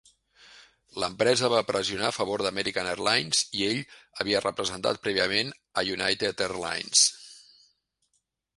L'empresa va pressionar a favor d'American Airlines, i ell havia representat prèviament a United Airlines.